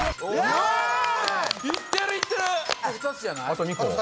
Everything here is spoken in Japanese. あと２個。